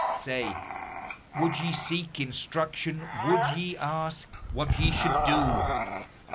Say, would you seek instruction? would ye ask What ye should do?